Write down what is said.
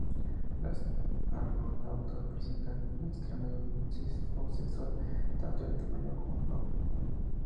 Los argonautas presentan un extremado dimorfismo sexual, tanto en tamaño como en forma.